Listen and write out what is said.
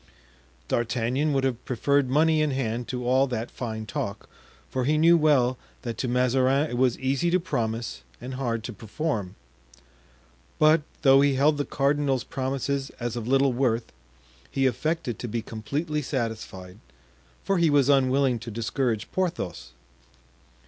D'Artagnan would have preferred money in hand to all that fine talk, for he knew well that to Mazarin it was easy to promise and hard to perform. But, though he held the cardinal's promises as of little worth, he affected to be completely satisfied, for he was unwilling to discourage Porthos.